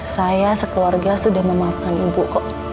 saya sekeluarga sudah memaafkan ibu kok